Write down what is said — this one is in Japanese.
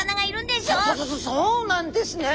そそうなんですね！